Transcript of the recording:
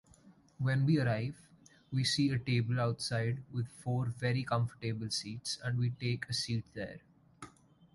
When we arrive, we see a table outside with four very comfortable seats and we take a seat there.